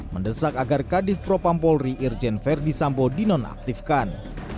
mendesak agar kadif propampolri virgin verdi sambo dinonaktifkan